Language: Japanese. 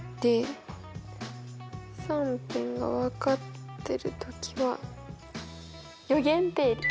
３辺が分かってる時は余弦定理。